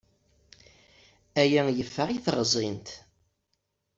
Aya yeffeɣ i teɣẓint.